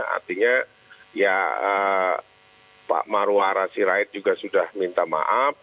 artinya ya pak marwara sirait juga sudah minta maaf